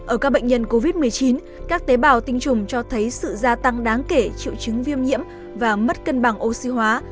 ở các bệnh nhân covid một mươi chín các tế bào tinh trùng cho thấy sự gia tăng đáng kể triệu chứng viêm nhiễm và mất cân bằng oxy hóa